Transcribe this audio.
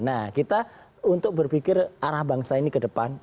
nah kita untuk berpikir arah bangsa ini ke depan